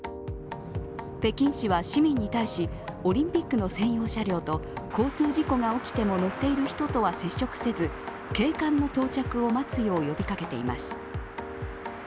北京市は市民に対し、オリンピックの専用車両と交通事故が起きても乗っている人とは接触せず警官の到着を待つよう呼びかけています。